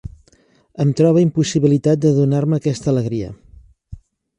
Em trobe impossibilitat de donar-me aquesta alegria.